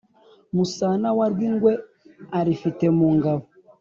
musana wa rwingwe arifite mu ngabo.